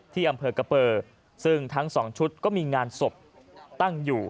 ที่อำเภอกะเปอร์ซึ่งทั้งสองชุดก็มีงานศพตั้งอยู่